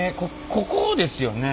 ここですよね？